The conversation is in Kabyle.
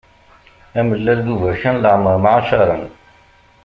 Amellal d uberkan leɛmeṛ mɛacaṛen.